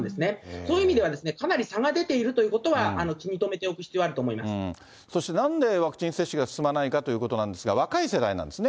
そういう意味ではかなり差が出ているということは、気に留めておそしてなんでワクチン接種が進まないかということなんですが、若い世代なんですね。